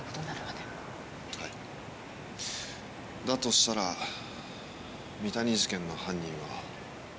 だとしたら三谷事件の犯人は。